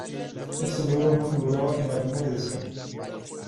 Este libro no figuraba en la primera edición.